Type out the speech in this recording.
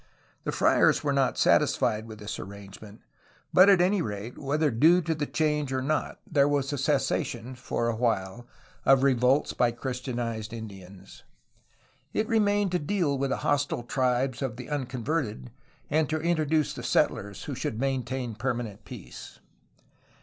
The friars were not satisfied with this arrangement, but at any rate, whether due to the change or 232 THE PACIFICATION OF SONORA 233 not, there was a cessation, for a while, of revolts by Chris tianized Indians. It remained to deal with the hostile tribes of the unconverted and to introduce the settlers who should maintain permanent peace.